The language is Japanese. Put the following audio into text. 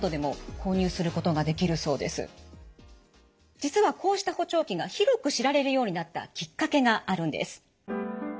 実はこうした補聴器が広く知られるようになったきっかけがあるんです。